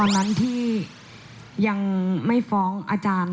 ตอนนั้นที่ยังไม่ฟ้องอาจารย์